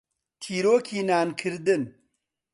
تیرۆکی نانکردن.